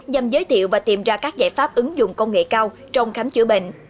nhằm giới thiệu và tìm ra các giải pháp ứng dụng công nghệ cao trong khám chữa bệnh